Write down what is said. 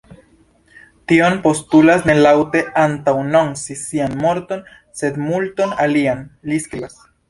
Tio postulas ne laŭte antaŭanonci sian morton sed multon alian”, li skribas.